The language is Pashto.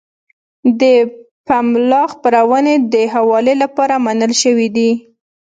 د پملا خپرونې د حوالو لپاره منل شوې دي.